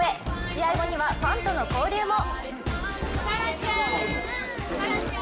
試合後には、ファンとの交流も。